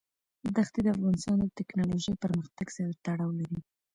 دښتې د افغانستان د تکنالوژۍ پرمختګ سره تړاو لري.